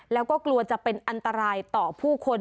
แล้วก็กลัวจะเป็นอันตรายต่อผู้คน